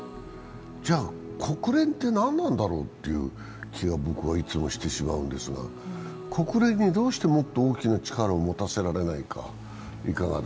じゃあ国連って何なんだろうという気がいつもしてしまうんですが国連にどうしてもっと大きな力を持たせられないか。